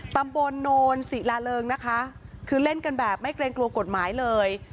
ตำบลโนนศิลาเริงนะคะคือเล่นกันแบบไม่เกรงกลัวกฎหมายเลย